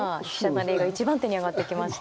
成が１番手に挙がってきました。